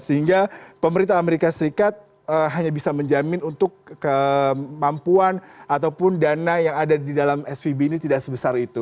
sehingga pemerintah amerika serikat hanya bisa menjamin untuk kemampuan ataupun dana yang ada di dalam svb ini tidak sebesar itu